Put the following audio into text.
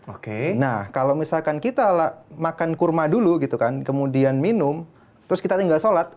oke nah kalau misalkan kita makan kurma dulu gitu kan kemudian minum terus kita tinggal sholat